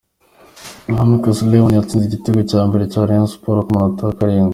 Uwambazimana Leon yatsinze igitego cya mbere cya Rayon Sports ku munota wa karindwi.